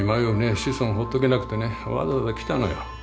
子孫をほっとけなくてねわざわざ来たのよ。